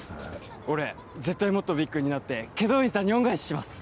俺絶対もっとビッグになって祁答院さんに恩返しします